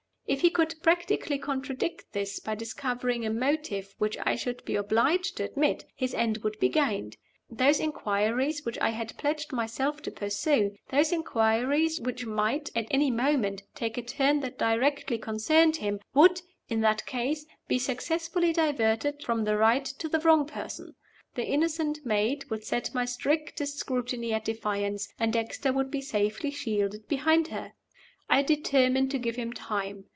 If he could practically contradict this, by discovering a motive which I should be obliged to admit, his end would be gained. Those inquiries which I had pledged myself to pursue those inquiries which might, at any moment, take a turn that directly concerned him would, in that case, be successfully diverted from the right to the wrong person. The innocent maid would set my strictest scrutiny at defiance; and Dexter would be safely shielded behind her. I determined to give him time.